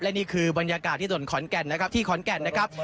และนี่คือบรรยากาศที่ถนนขอนแก่นนะครับ